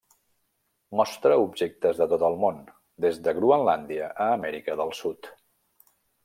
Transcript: Mostra objectes de tot el món, des de Groenlàndia a Amèrica del Sud.